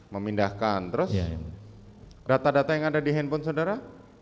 memindahkan terus data data yang ada di handphone saudara